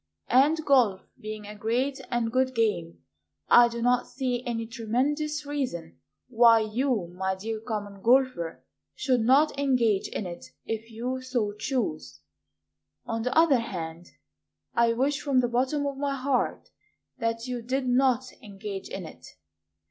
And golf being a great and good game I do not see any tremendous reason Why you, my dear Common Golfer, Should not engage in it if you so choose. On the other hand, I wish from the bottom of my heart That you did not engage in it.